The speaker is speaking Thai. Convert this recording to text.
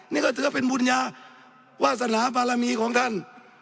นี่ก็เสื้อเป็นบุญญาวาสนาภาระมีของท่าน